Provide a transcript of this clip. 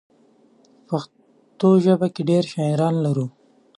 په پښتو ژبه کې ډېر شاعران لرو.